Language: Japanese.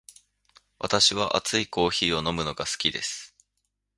私は熱いコーヒーを飲むのが好きです。